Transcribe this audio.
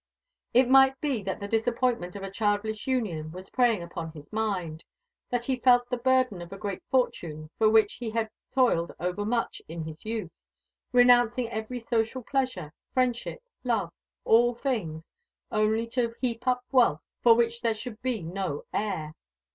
It might be that the disappointment of a childless union was preying upon his mind that he felt the burden of a great fortune for which he had toiled over much in his youth, renouncing every social pleasure, friendship, love, all things, only to heap up wealth for which there should be no heir.